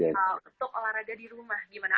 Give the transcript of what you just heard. kalau untuk olahraga di rumah gimana